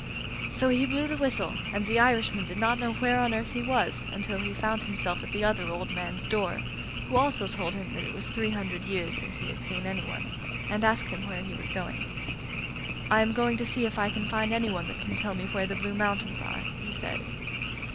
So he blew the whistle, and the Irishman did not know where on earth he was until he found himself at the other old man's door, who also told him that it was three hundred years since he had seen anyone, and asked him where he was going. 'I am going to see if I can find anyone that can tell me where the Blue Mountains are,' he said.